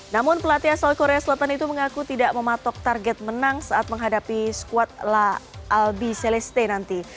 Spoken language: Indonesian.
namun pelatih asal korea selatan itu mengaku tidak mematok target menang saat menghadapi skuad la albi celeste nanti